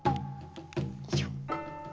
よいしょ。